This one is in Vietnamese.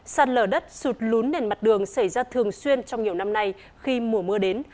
sạt lở đất sụt lún nền mặt đường xảy ra thường xuyên trong nhiều năm nay khi mùa mưa đến